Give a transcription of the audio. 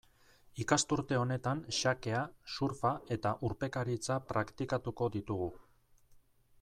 Ikasturte honetan xakea, surfa eta urpekaritza praktikatuko ditugu.